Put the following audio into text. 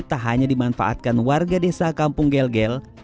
masjid tak hanya dimanfaatkan warga desa kampung gelgel